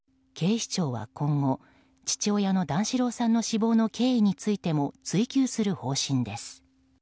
警視庁は今後父親の段四郎さんの死亡の経緯についても追及する方針です。